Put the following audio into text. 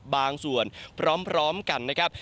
บางส่วนพร้อมกันนะครับ